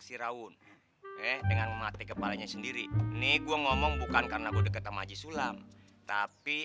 siraun eh dengan melatih kepalanya sendiri nih gue ngomong bukan karena gue deket sama aji sulam tapi